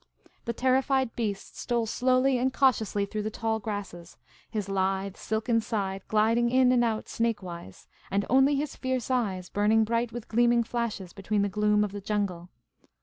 " The terrified beast stole slowly and cautiously through the tall grasses, his lithe, silken side gliding in and out snake wise, and only his fierce eyes burning bright with gleaming flashes between the gloom of the jungle.